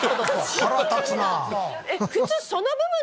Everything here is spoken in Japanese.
腹立つなぁ！